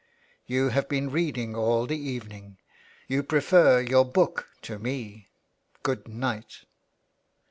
" You have been reading all the evening. You prefer your book to me. Good night."